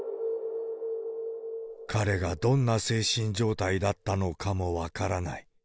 彼がどんな精神状態だったのかも分からない。